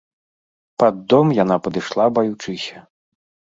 Пад дом яна падышла баючыся.